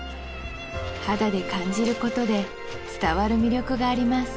肌で感じることで伝わる魅力があります